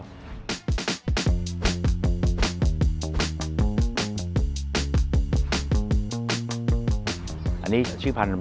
เป็นแบบยุงติดไอที่มีเก่าคนเดียว